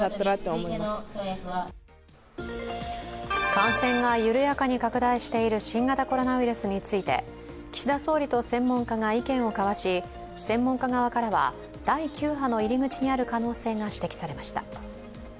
感染が緩やかに拡大している新型コロナウイルスについて、岸田総理と専門家が意見を交わし専門家側からは、第９波の入り口にある可能性が指摘されました。